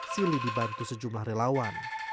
sili dibantu sejumlah relawan